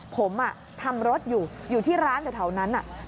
ผมทำรถอยู่อยู่ที่ร้านเท่านั้นน่ะ